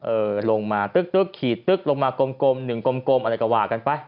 เออลงมาตึ๊กตึ๊กขีดตึ๊กลงมากลม๑กลมอะไรก็หว่ากันไป